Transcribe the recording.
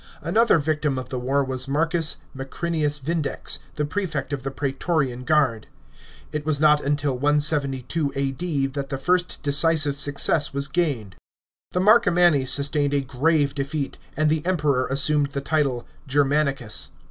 Another victim of the war was Marcus Macrinius Vindex, the prefect of the praetorian guard. It was not until 172 A.D. that the first decisive success was gained. The Marcomanni sustained a grave defeat, and the Kmp r« r assumed the title Germanicus.